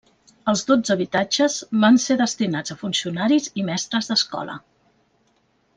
Els dotze habitatges van ser destinats a funcionaris i mestres d'escola.